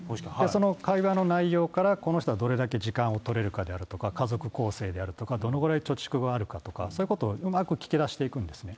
その会話の内容から、この人はどれだけ時間を取れるかであるとか、家族構成であるとか、どのぐらい貯蓄があるかとか、そういうことをうまく聞き出していくんですよね。